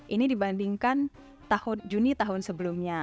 ini dibandingkan tahun juni tahun sebelumnya